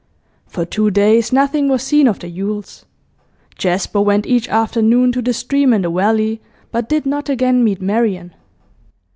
For two days nothing was seen of the Yules. Jasper went each afternoon to the stream in the valley, but did not again meet Marian.